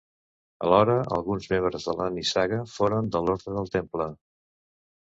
Alhora, alguns membres de la nissaga foren de l'orde del Temple.